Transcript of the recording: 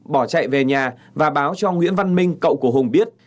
bỏ chạy về nhà và báo cho nguyễn văn minh cậu của hùng biết